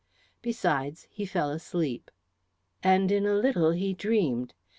Besides he fell asleep. And in a little he dreamed.